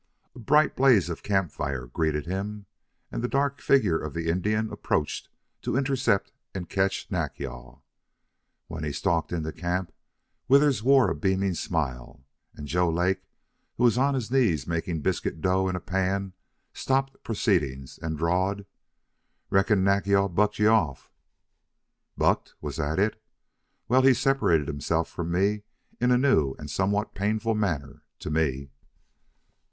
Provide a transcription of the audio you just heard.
A bright blaze of camp fire greeted him, and the dark figure of the Indian approached to intercept and catch Nack yal. When he stalked into camp Withers wore a beaming smile, and Joe Lake, who was on his knees making biscuit dough in a pan, stopped proceedings and drawled: "Reckon Nack yal bucked you off." "Bucked! Was that it? Well, he separated himself from me in a new and somewhat painful manner to me."